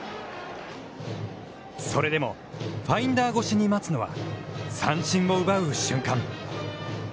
それでも、ファインダー越しに待つのは、三振を奪う瞬間。